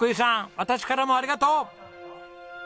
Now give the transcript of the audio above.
私からもありがとう！